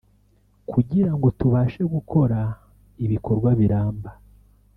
kugira ngo tubashe gukora ibikorwa biramba